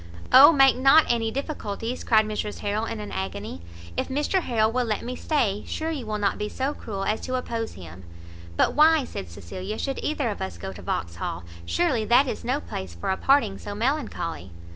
"O make not any difficulties," cried Mrs Harrel in an agony; "if Mr Harrel will let me stay, sure you will not be so cruel as to oppose him?" "But why," said Cecilia, "should either of us go to Vauxhall? surely that is no place for a parting so melancholy."